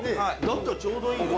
だったらちょうどいいよ。